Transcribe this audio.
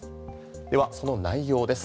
ではその内容です。